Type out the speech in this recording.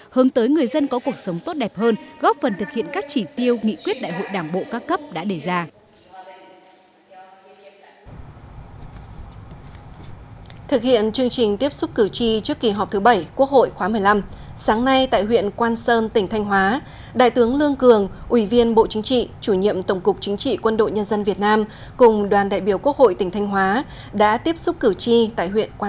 hôm tới người dân có cuộc sống tốt đẹp hơn góp phần thực hiện các chỉ tiêu nghị quyết đại hội đảng bộ ca cấp đã đề ra